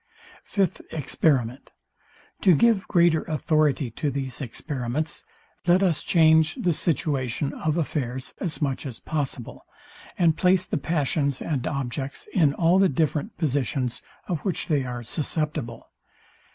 Fifth Experiment. To give greater authority to these experiments, let us change the situation of affairs as much as possible, and place the passions and objects in all the different positions, of which they are susceptible.